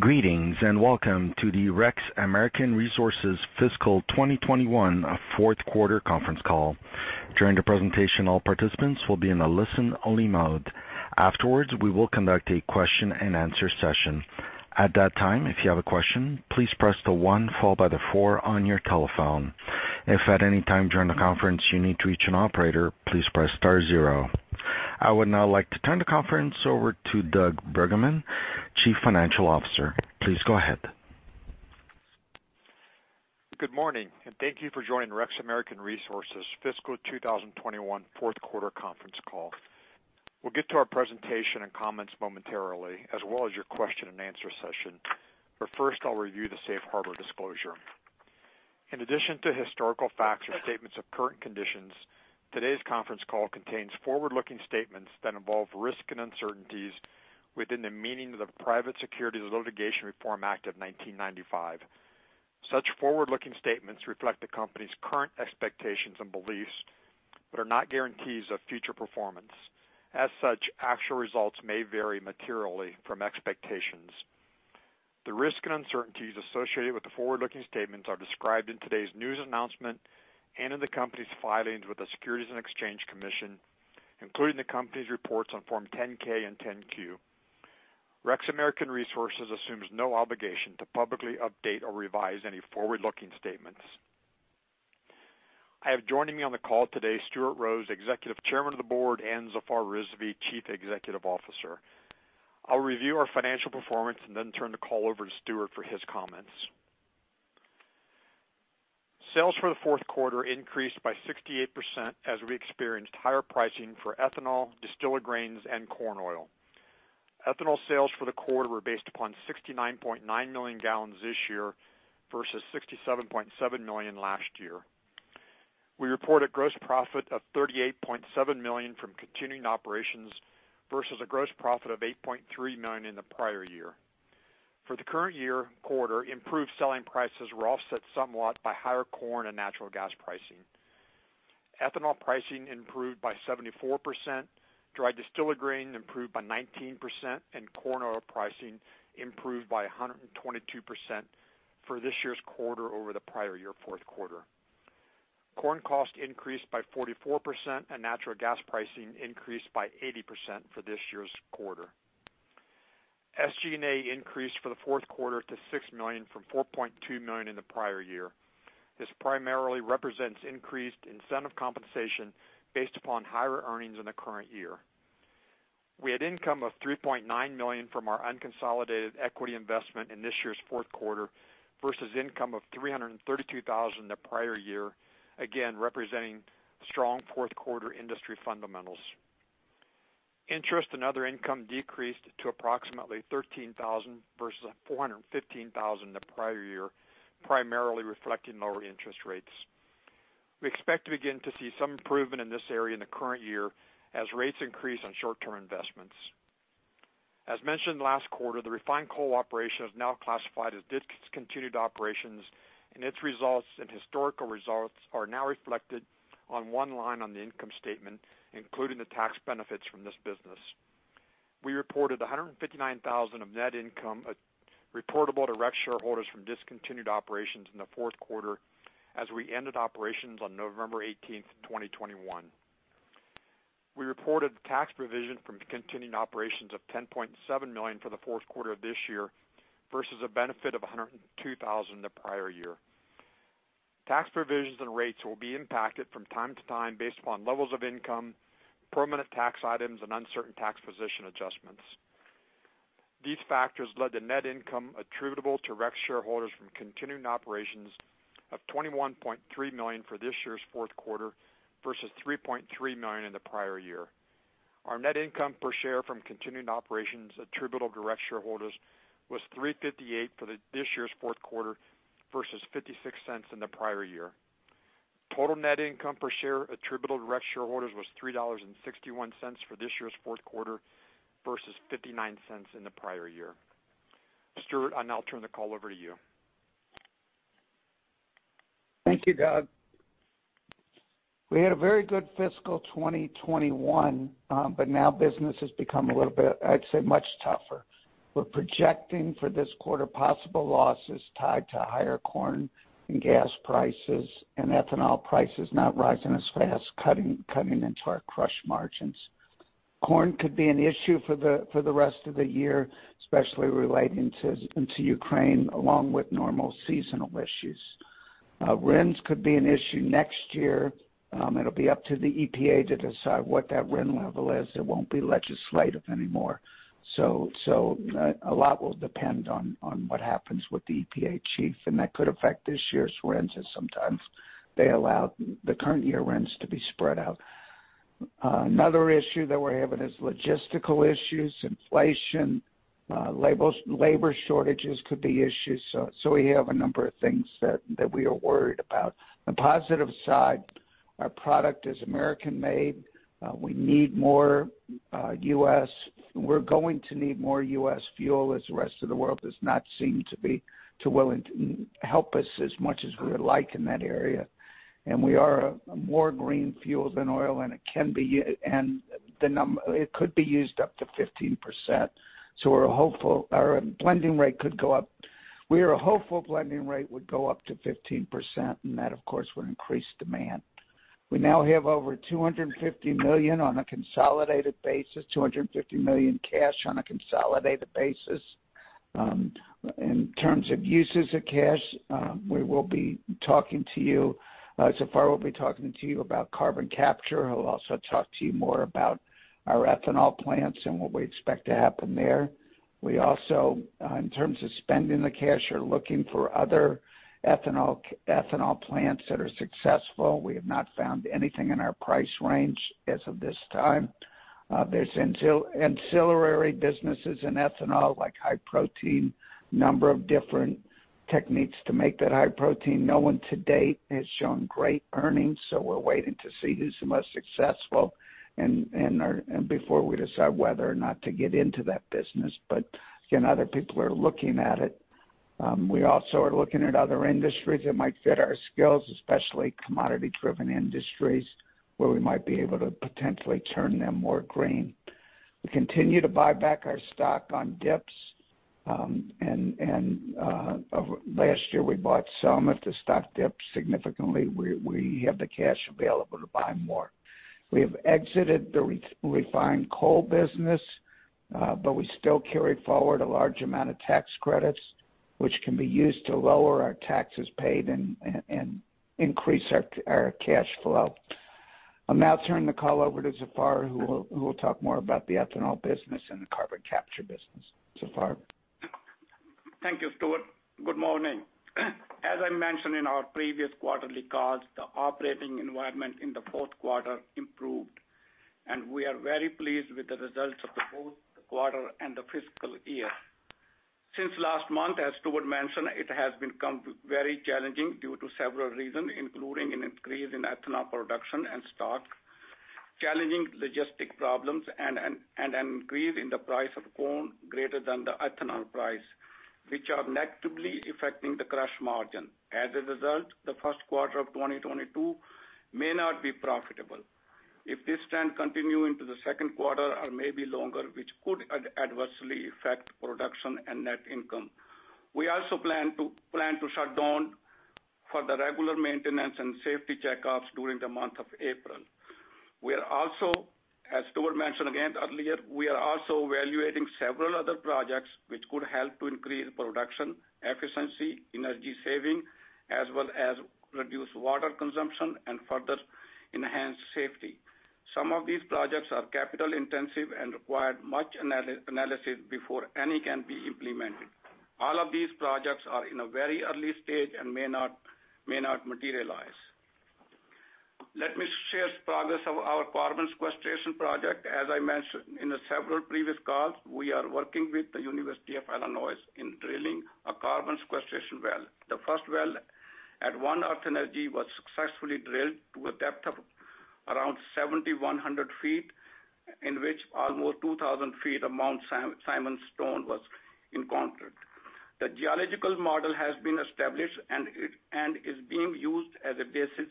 Greetings, and welcome to the REX American Resources fiscal 2021 fourth quarter conference call. During the presentation, all participants will be in a listen-only mode. Afterwards, we will conduct a question-and-answer session. At that time, if you have a question, please press the One followed by the Four on your telephone. If at any time during the conference you need to reach an operator, please press Star Zero. I would now like to turn the conference over to Doug Bruggeman, Chief Financial Officer. Please go ahead. Good morning, and thank you for joining REX American Resources fiscal 2021 fourth quarter conference call. We'll get to our presentation and comments momentarily, as well as your question-and-answer session. First, I'll review the safe harbor disclosure. In addition to historical facts or statements of current conditions, today's conference call contains forward-looking statements that involve risk and uncertainties within the meaning of the Private Securities Litigation Reform Act of 1995. Such forward-looking statements reflect the company's current expectations and beliefs, but are not guarantees of future performance. As such, actual results may vary materially from expectations. The risks and uncertainties associated with the forward-looking statements are described in today's news announcement and in the company's filings with the Securities and Exchange Commission, including the company's reports on Form 10-K and 10-Q. REX American Resources assumes no obligation to publicly update or revise any forward-looking statements. I have joining me on the call today, Stuart Rose, Executive Chairman of the Board, and Zafar Rizvi, Chief Executive Officer. I'll review our financial performance and then turn the call over to Stuart for his comments. Sales for the fourth quarter increased by 68% as we experienced higher pricing for ethanol, distillers grains, and corn oil. Ethanol sales for the quarter were based upon 69.9 million gallons this year versus 67.7 million last year. We reported gross profit of $38.7 million from continuing operations versus a gross profit of $8.3 million in the prior year. For the current year quarter, improved selling prices were offset somewhat by higher corn and natural gas pricing. Ethanol pricing improved by 74%, dried distillers grains improved by 19%, and corn oil pricing improved by 122% for this year's quarter over the prior year fourth quarter. Corn cost increased by 44%, and natural gas pricing increased by 80% for this year's quarter. SG&A increased for the fourth quarter to $6 million from $4.2 million in the prior year. This primarily represents increased incentive compensation based upon higher earnings in the current year. We had income of $3.9 million from our unconsolidated equity investment in this year's fourth quarter versus income of $332,000 in the prior year, again, representing strong fourth quarter industry fundamentals. Interest and other income decreased to approximately $13,000 versus $415,000 in the prior year, primarily reflecting lower interest rates. We expect to begin to see some improvement in this area in the current year as rates increase on short-term investments. As mentioned last quarter, the refined coal operation is now classified as discontinued operations, and its results and historical results are now reflected on one line on the income statement, including the tax benefits from this business. We reported $159,000 of net income reportable to REX shareholders from discontinued operations in the fourth quarter as we ended operations on November 18th, 2021. We reported tax provision from continuing operations of $10.7 million for the fourth quarter of this year versus a benefit of $102,000 in the prior year. Tax provisions and rates will be impacted from time to time based upon levels of income, permanent tax items, and uncertain tax position adjustments. These factors led to net income attributable to REX shareholders from continuing operations of $21.3 million for this year's fourth quarter versus $3.3 million in the prior year. Our net income per share from continuing operations attributable to REX shareholders was $3.58 for this year's fourth quarter versus $0.56 in the prior year. Total net income per share attributable to REX shareholders was $3.61 for this year's fourth quarter versus $0.59 in the prior year. Stuart, I'll now turn the call over to you. Thank you, Doug. We had a very good fiscal 2021. Now business has become a little bit, I'd say, much tougher. We're projecting for this quarter possible losses tied to higher corn and gas prices and ethanol prices not rising as fast, cutting into our crush margins. Corn could be an issue for the rest of the year, especially relating to Ukraine, along with normal seasonal issues. RINs could be an issue next year. It'll be up to the EPA to decide what that RIN level is. It won't be legislative anymore. A lot will depend on what happens with the EPA chief, and that could affect this year's RINs, as sometimes they allow the current year RINs to be spread out. Another issue that we're having is logistical issues, inflation, labor shortages could be issues. We have a number of things that we are worried about. The positive side. Our product is American-made. We're going to need more U.S. fuel as the rest of the world does not seem to be too willing to help us as much as we would like in that area. We are a more green fuel than oil, and it could be used up to 15%. We're hopeful our blending rate could go up. We are hopeful blending rate would go up to 15%, and that, of course, would increase demand. We now have over $250 million cash on a consolidated basis. In terms of uses of cash, we will be talking to you. Zafar will be talking to you about carbon capture. He'll also talk to you more about our ethanol plants and what we expect to happen there. We also, in terms of spending the cash, are looking for other ethanol plants that are successful. We have not found anything in our price range as of this time. There's ancillary businesses in ethanol, like high protein, number of different techniques to make that high protein. No one to date has shown great earnings, so we're waiting to see who's the most successful before we decide whether or not to get into that business. But again, other people are looking at it. We also are looking at other industries that might fit our skills, especially commodity-driven industries, where we might be able to potentially turn them more green. We continue to buy back our stock on dips, and last year we bought some. If the stock dips significantly, we have the cash available to buy more. We have exited the refined coal business, but we still carry forward a large amount of tax credits, which can be used to lower our taxes paid and increase our cash flow. I'll now turn the call over to Zafar, who will talk more about the Ethanol business and the Carbon Capture business. Zafar. Thank you, Stuart. Good morning. As I mentioned in our previous quarterly calls, the operating environment in the fourth quarter improved, and we are very pleased with the results of the whole quarter and the fiscal year. Since last month, as Stuart mentioned, it has become very challenging due to several reasons, including an increase in ethanol production and stock, challenging logistics problems and an increase in the price of corn greater than the ethanol price, which are negatively affecting the crush margin. As a result, the first quarter of 2022 may not be profitable. If this trend continue into the second quarter or maybe longer, which could adversely affect production and net income. We also plan to shut down for the regular maintenance and safety checkups during the month of April. We are also, as Stuart mentioned again earlier, we are also evaluating several other projects which could help to increase production, efficiency, energy saving, as well as reduce water consumption and further enhance safety. Some of these projects are capital-intensive and require much analysis before any can be implemented. All of these projects are in a very early stage and may not materialize. Let me share progress of our carbon sequestration project. As I mentioned in the several previous calls, we are working with the University of Illinois in drilling a carbon sequestration well. The first well at One Earth Energy was successfully drilled to a depth of around 7,100 ft, in which almost 2,000 ft of Mount Simon Sandstone was encountered. The geological model has been established and is being used as a basis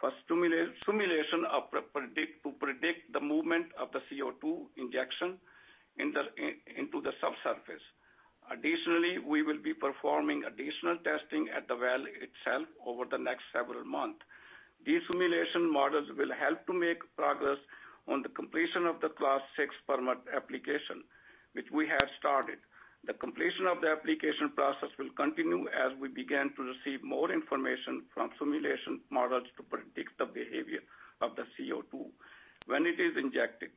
for simulation to predict the movement of the CO2 injection into the subsurface. Additionally, we will be performing additional testing at the well itself over the next several months. These simulation models will help to make progress on the completion of the Class VI permit application, which we have started. The completion of the application process will continue as we begin to receive more information from simulation models to predict the behavior of the CO2 when it is injected.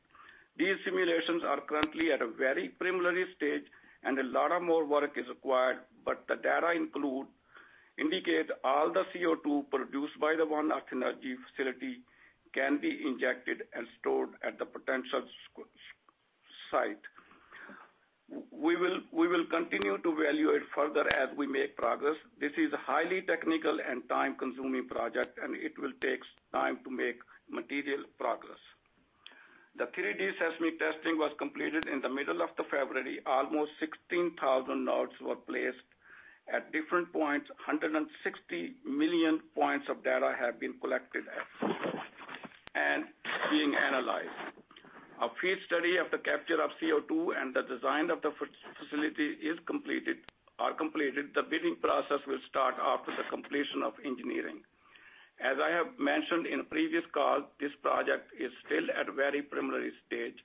These simulations are currently at a very preliminary stage, and a lot more work is required, but the data indicate all the CO2 produced by the One Earth Energy facility can be injected and stored at the potential site. We will continue to evaluate further as we make progress. This is a highly technical and time-consuming project, and it will take time to make material progress. The 3D seismic testing was completed in the middle of February. Almost 16,000 nodes were placed at different points. 160 million points of data have been collected and being analyzed. A FEED study of the capture of CO2 and the design of the facility is completed. The bidding process will start after the completion of engineering. As I have mentioned in previous calls, this project is still at a very preliminary stage.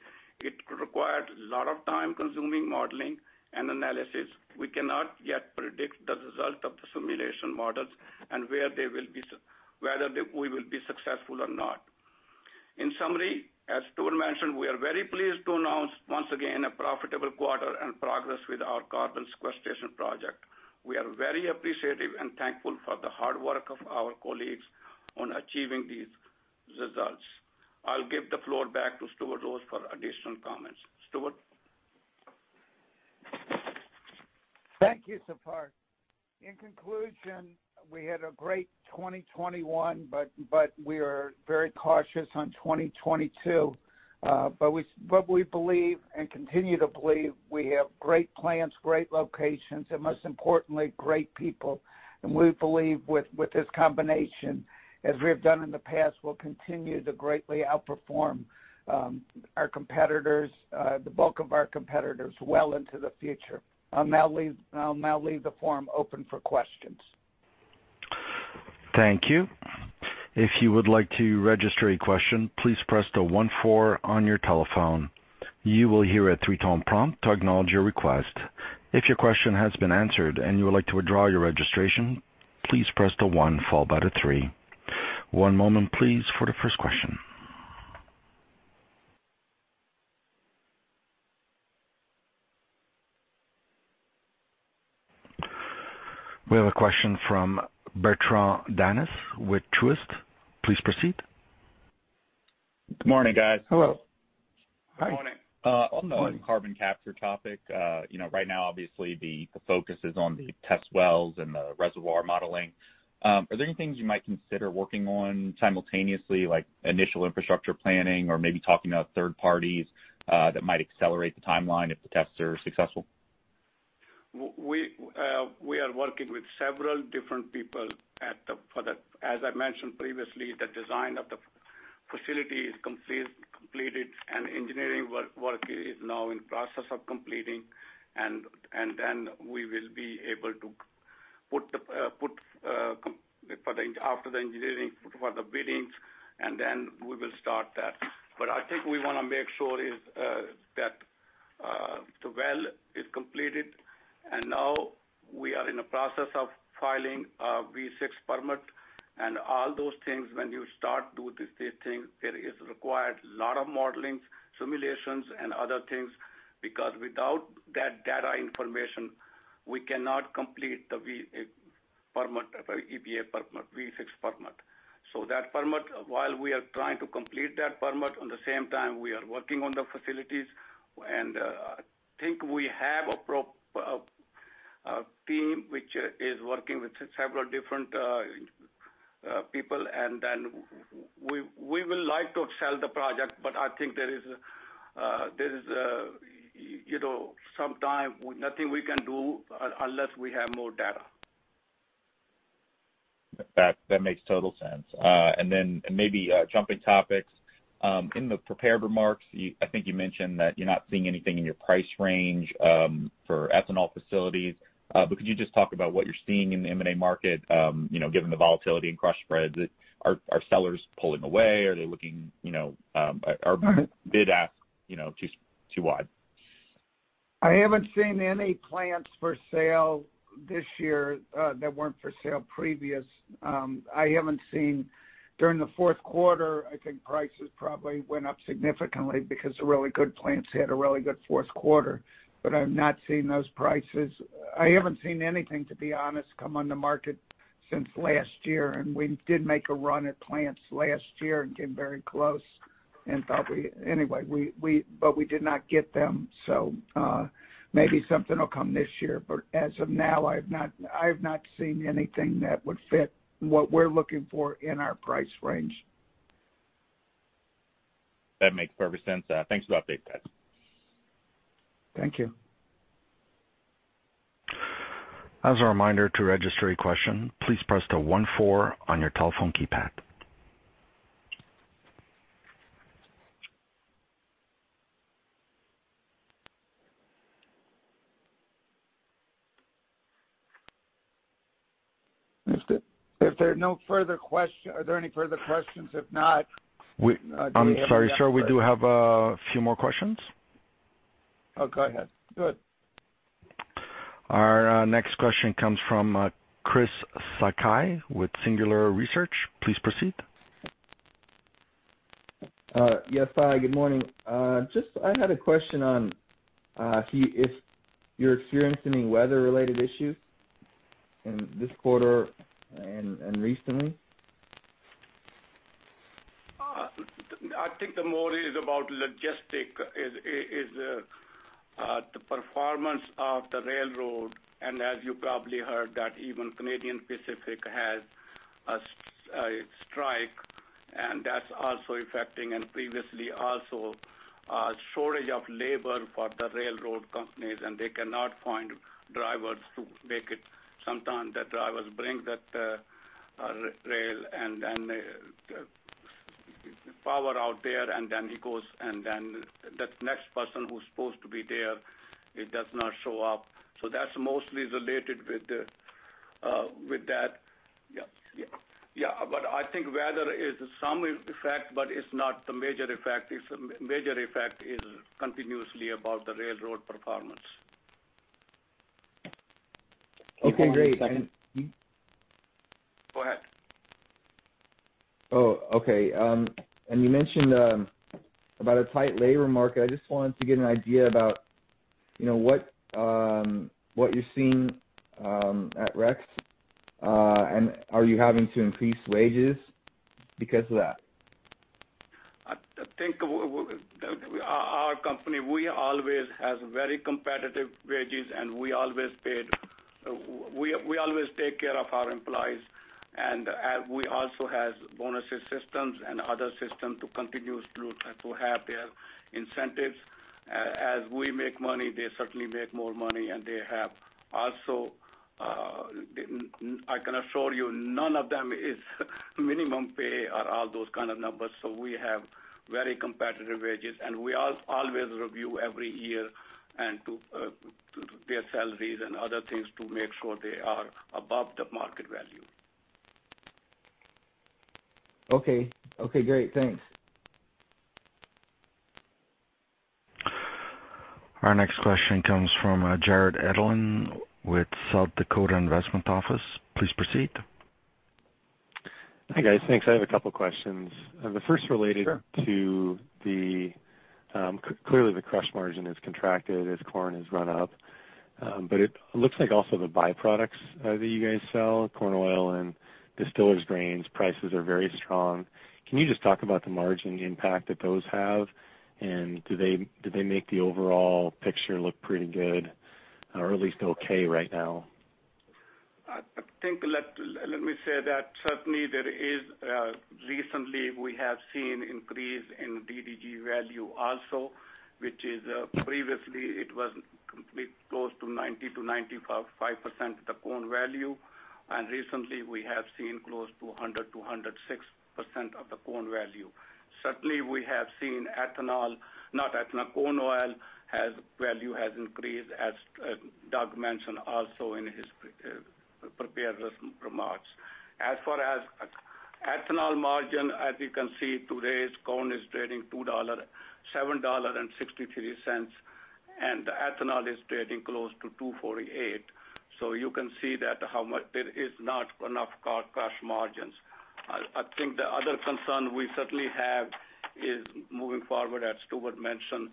It could require a lot of time-consuming modeling and analysis. We cannot yet predict the result of the simulation models and whether we will be successful or not. In summary, as Stuart mentioned, we are very pleased to announce once again a profitable quarter and progress with our carbon sequestration project. We are very appreciative and thankful for the hard work of our colleagues on achieving these results. I'll give the floor back to Stuart Rose for additional comments. Stuart? Thank you, Zafar. In conclusion, we had a great 2021, but we are very cautious on 2022. We believe and continue to believe we have great plants, great locations, and most importantly, great people. We believe with this combination, as we have done in the past, we'll continue to greatly outperform our competitors, the bulk of our competitors well into the future. I'll now leave the forum open for questions. Thank you. If you would like to register a question, please press the One Four on your telephone. You will hear a two-tone prompt to acknowledge your request. If your question has been answered and you would like to withdraw your registration, please press the One followed by the Three. One moment please for the first question. We have a question from Jordan Levy with Truist. Please proceed. Good morning, guys. Hello. Hi. Good morning. On the carbon capture topic, you know, right now, obviously the focus is on the test wells and the reservoir modeling. Are there any things you might consider working on simultaneously, like initial infrastructure planning or maybe talking to third parties that might accelerate the timeline if the tests are successful? We are working with several different people. As I mentioned previously, the design of the facility is completed, and engineering work is now in process of completing. We will be able to put out for bidding after the engineering, and then we will start that. I think we wanna make sure that the well is completed. Now we are in the process of filing a Class VI permit and all those things. When you start to do these things, there is required a lot of modeling, simulations and other things because without that data information, we cannot complete the Class VI permit, EPA permit, Class VI permit. That permit, while we are trying to complete that permit, at the same time, we are working on the facilities. I think we have a team which is working with several different people. We would like to sell the project, but I think there is sometimes nothing we can do unless we have more data. That makes total sense. Maybe jumping topics, in the prepared remarks, I think you mentioned that you're not seeing anything in your price range for ethanol facilities. Could you just talk about what you're seeing in the M&A market, you know, given the volatility and crush spreads? Are sellers pulling away? Are they looking, you know, are- Mm-hmm. Bid-ask, you know, too wide? I haven't seen any plants for sale this year that weren't for sale previously. I haven't seen during the fourth quarter, I think prices probably went up significantly because the really good plants had a really good fourth quarter. I've not seen those prices. I haven't seen anything, to be honest, come on the market since last year, and we did make a run at plants last year and came very close and thought we anyway, we but we did not get them. Maybe something will come this year. As of now, I've not seen anything that would fit what we're looking for in our price range. That makes perfect sense. Thanks for update, guys. Thank you. As a reminder to register a question, please press the One Four on your telephone keypad. Are there any further questions? If not, do we have- I'm sorry, sir. We do have a few more questions. Oh, go ahead. Our next question comes from Chris Sakai with Singular Research. Please proceed. Yes. Hi, good morning. I just had a question on if you're experiencing any weather-related issues in this quarter and recently. I think the more is about logistics is the performance of the railroad. As you probably heard that even Canadian Pacific has a strike, and that's also affecting and previously also a shortage of labor for the railroad companies, and they cannot find drivers to make it. Sometimes the drivers bring that rail and the power out there, and then he goes, and then the next person who's supposed to be there, he does not show up. That's mostly related with that. Yeah. Yeah. I think weather is some effect, but it's not the major effect. The major effect is continuously about the railroad performance. Okay, great. One moment. Go ahead. Oh, okay. You mentioned about a tight labor market. I just wanted to get an idea about, you know, what you're seeing at REX, and are you having to increase wages because of that? I think our company we always has very competitive wages and we always take care of our employees. We also have bonuses systems and other system to continue to have their incentives. As we make money, they certainly make more money. They have also. I can assure you, none of them is minimum pay or all those kind of numbers. We have very competitive wages. We always review every year and to their salaries and other things to make sure they are above the market value. Okay. Okay, great. Thanks. Our next question comes from, Jared Ellin with South Dakota Investment Office. Please proceed. Hi, guys. Thanks. I have a couple questions. The first related- Sure. Clearly the crush margin has contracted as corn has run up. It looks like also the by-products that you guys sell, corn oil and distillers grains, prices are very strong. Can you just talk about the margin impact that those have? Do they make the overall picture look pretty good, or at least okay right now? I think let me say that certainly there is recently we have seen increase in DDG value also, which is previously it was close to 90%-95% of the corn value. Recently we have seen close to 100%-106% of the corn value. Certainly, we have seen, not ethanol, corn oil value has increased, as Doug mentioned also in his prepared remarks. As far as ethanol margin, as you can see today's corn is trading $7.63, and ethanol is trading close to $2.48. You can see that how much there is not enough crush margins. I think the other concern we certainly have is moving forward, as Stuart mentioned,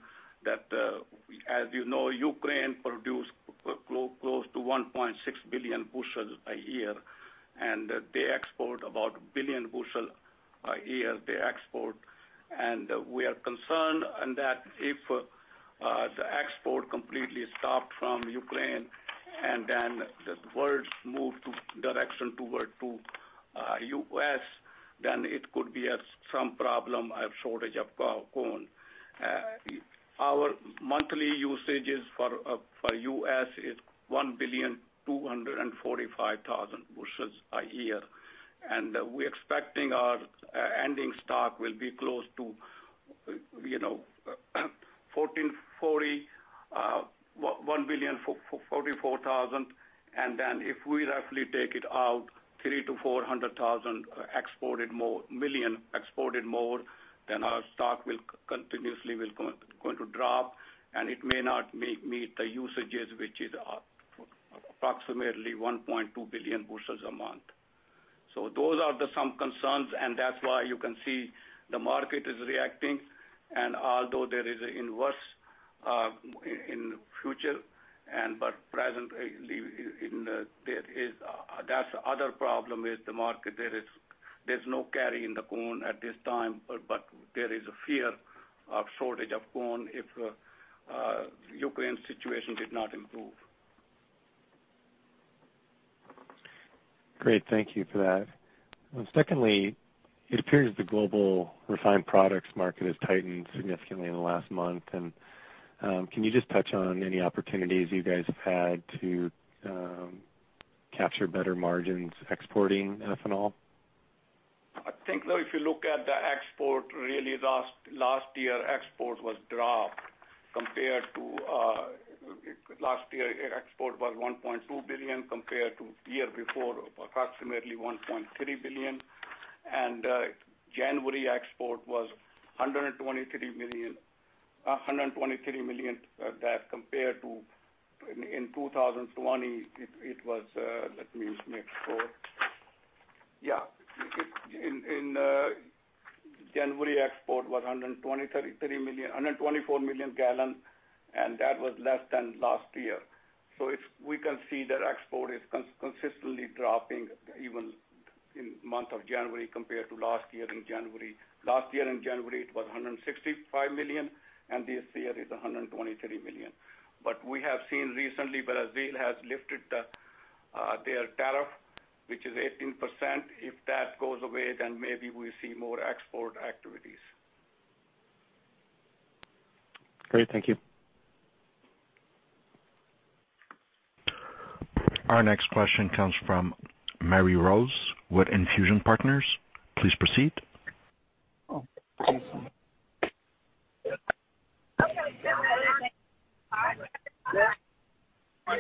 as you know, Ukraine produce close to 1.6 billion bushels a year, and they export about a billion bushel a year. We are concerned in that if the export completely stopped from Ukraine and then the world move to direction toward to U.S., then it could be some problem, a shortage of corn. Our monthly usages for for U.S. is 1.245 billion bushels a year. We're expecting our ending stock will be close to, you know, 1440, 1,000,044,000. If we roughly take it out, 300,000-400,000 exported more, 1 million exported more, then our stock will continuously go to drop, and it may not meet the usages, which is approximately 1.2 billion bushels a month. Those are some concerns, and that's why you can see the market is reacting. Although there is an inverse in the future, and but presently in there is. That's other problem is the market. There's no carry in the corn at t his time, but there is a fear of shortage of corn if Ukraine situation did not improve. Great. Thank you for that. Secondly, it appears the global refined products market has tightened significantly in the last month. Can you just touch on any opportunities you guys have had to capture better margins exporting ethanol? I think if you look at the export, really last year export dropped compared to last year export was 1.2 billion compared to year before, approximately 1.3 billion. January export was 123 million, that compared to in 2020, it was 123 million, 124 million gallons, and that was less than last year. If we can see that export is consistently dropping even in month of January compared to last year in January. Last year in January, it was 165 million, and this year it's 123 million. We have seen recently, Brazil has lifted their tariff, which is 18%. If that goes away, then maybe we see more export activities. Great. Thank you. Our next question comes from Mary Rose with Infusion Partners. Please proceed. Oh.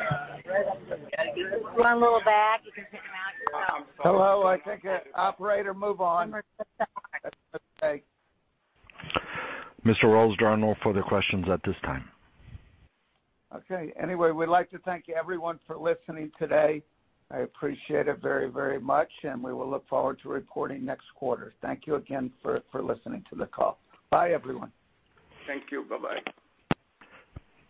Mr. Rose, there are no further questions at this time. Okay. Anyway, we'd like to thank everyone for listening today. I appreciate it very, very much, and we will look forward to reporting next quarter. Thank you again for listening to the call. Bye, everyone. Thank you. Bye-bye.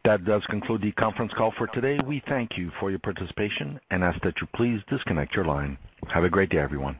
That does conclude the conference call for today. We thank you for your participation and ask that you please disconnect your line. Have a great day, everyone.